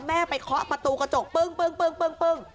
แม่ไปเคาะประตูกระจกปึ้ง